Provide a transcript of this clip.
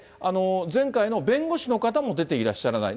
前回の弁護士の方も出ていらっしゃらない。